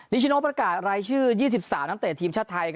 ลิชินเนิลประกาศรายชื่อทีมชาติ